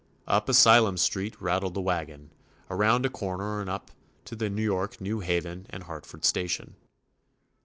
Up Asylum Street rattled the wagon, around a corner and up to the New York, New Haven, and Hart ford station.